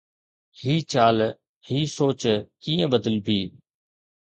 هي چال، هي سوچ ڪيئن بدلبي؟